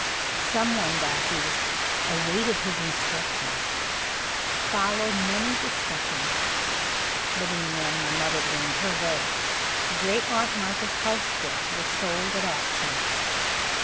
Some one back East "awaited his instructions." Followed many discussions, but in the end my mother gained her way. Great Aunt Martha's house goods were sold at auction.